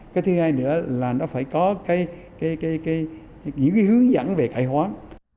cái thứ hai nữa là nó phải có những hướng dẫn về cải hoán